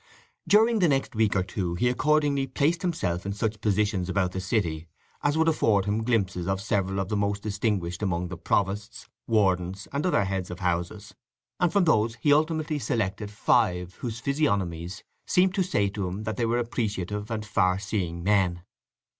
During the next week or two he accordingly placed himself in such positions about the city as would afford him glimpses of several of the most distinguished among the provosts, wardens, and other heads of houses; and from those he ultimately selected five whose physiognomies seemed to say to him that they were appreciative and far seeing men.